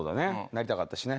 なりたかったしね。